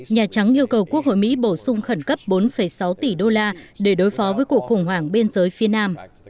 nhà trắng yêu cầu quốc hội mỹ bổ sung khẩn cấp bốn sáu tỷ đô la để đối phó với cuộc khủng hoảng biên giới phía nam